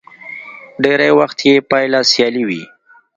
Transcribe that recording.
ډېری وخت يې پايله سیالي وي.